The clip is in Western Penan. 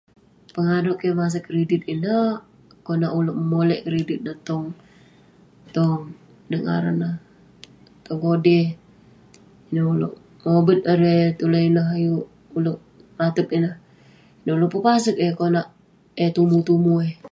Penganouk kik masek kredit ineh ..konak ulouk memolek kredit dan tong..inouk ngaran neh..tong kodey..ineh ulouk mobet erei..tulan ineh ayuk ulouk.. atep ineh..ineh ulouk pepasek eh kelak eh tumu tumu